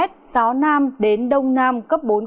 gió nam đến đông nam cấp bốn km